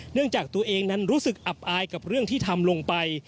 จากตัวเองนั้นรู้สึกอับอายกับเรื่องที่ทำลงไป